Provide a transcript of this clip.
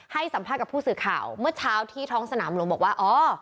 ให้สัมภาษณ์กับผู้สื่อข่าวเมื่อเช้าที่ท้องสนามหลวงบอกว่าอ๋อ